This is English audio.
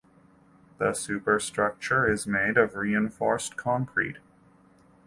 The superstructure is made of reinforced concrete.